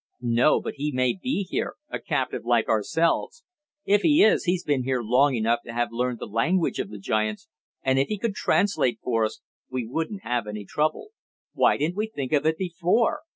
"No, but he may be here a captive like ourselves. If he is he's been here long enough to have learned the language of the giants, and if he could translate for us, we wouldn't have any trouble. Why didn't we think of it before?